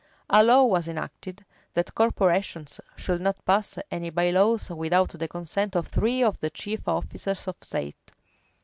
A law was enacted, that corporations should not pass any by laws without the consent of three of the chief officers of state.